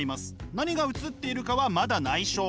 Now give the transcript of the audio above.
何が写っているかはまだないしょ。